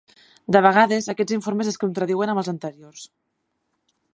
De vegades, aquests informes es contradiuen amb els anteriors.